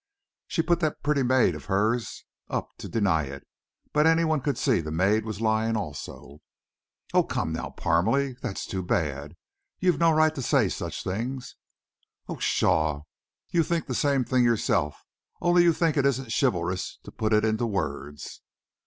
She put that pretty maid of hers up to deny it, but any one could see the maid was lying, also." "Oh, come now, Parmalee, that's too bad! You've no right to say such things!" "Oh, pshaw! you think the same yourself, only you think it isn't chivalrous to put it into words."